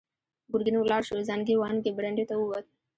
ګرګين ولاړ شو، زانګې وانګې برنډې ته ووت.